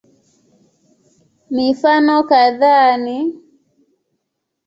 Mifano kadhaa ni